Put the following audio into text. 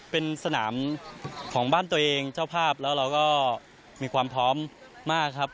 เป็นสนามของบ้านตัวเองเจ้าภาพแล้วเราก็มีความพร้อมมากครับ